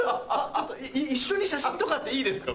ちょっと一緒に写真とかっていいですか？